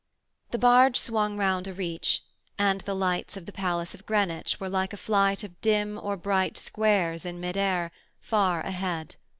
The barge swung round a reach, and the lights of the palace of Greenwich were like a flight of dim or bright squares in mid air, far ahead.